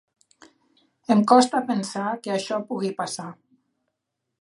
Em costa pensar que això pugui passar.